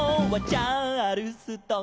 「チャールストン」